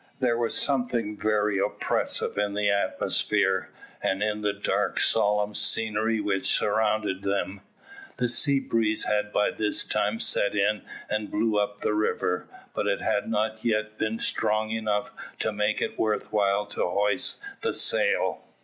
There was something very oppressive in the atmosphere, and in the dark solemn scenery which surrounded them. The sea breeze had by this time set in and blew up the river, but it had not yet been strong enough to make it worth while to hoist the sail.